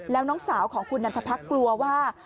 แล้วน้องสาวของคุณนันทพรรคกลัวว่า